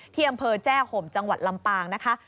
ที่อำเภอแจ้ห่มจังหวัดลำปางนะคะ